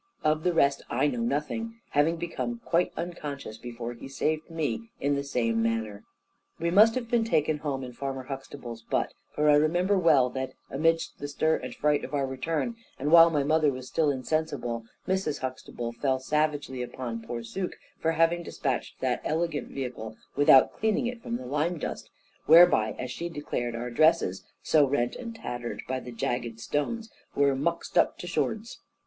Of the rest, I know nothing, having become quite unconscious, before he saved me, in the same manner. We must have been taken home in Farmer Huxtable's butt, for I remember well that, amidst the stir and fright of our return, and while my mother was still insensible, Mrs. Huxtable fell savagely upon poor Suke, for having despatched that elegant vehicle without cleaning it from the lime dust; whereby, as she declared, our dresses (so rent and tattered by the jagged stones) were "muxed up to shords."